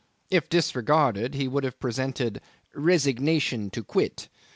If disregarded, he would have presented "resignation to quit."